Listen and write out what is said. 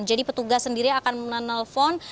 jadi petugas sendiri akan menelpon